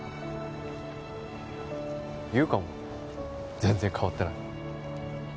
優香も全然変わってない。